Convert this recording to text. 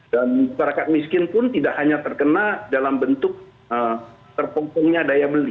masyarakat miskin pun tidak hanya terkena dalam bentuk terpotongnya daya beli